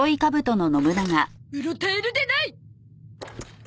うろたえるでない！